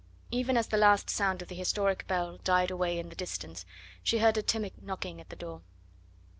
Even as the last sound of the historic bell died away in the distance she heard a timid knocking at the door.